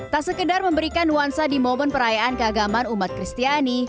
tak sekedar memberikan nuansa di momen perayaan keagaman umat kristiani